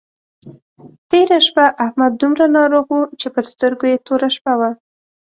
تېره شپه احمد دومره ناروغ وو چې پر سترګو يې توره شپه وه.